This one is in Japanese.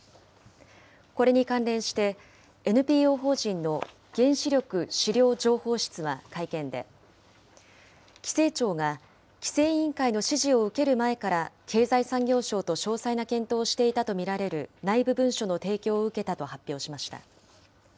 これに関連して、ＮＰＯ法人の原子力資料情報室は会見で、規制庁が規制委員会の指示を受ける前から、経済産業省と詳細な検討をしていたとみられる内部文書の提供を受けたと発表しました。